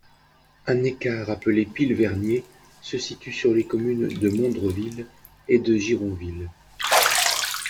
Un écart appelé Pilvernier se situe sur les communes de Mondreville et de Gironville.